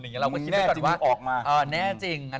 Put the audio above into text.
แล้วก็คิดด้วยก่อนแน่จริง